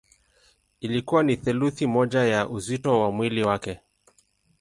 Ilikuwa ni theluthi moja ya uzito wa mwili wake.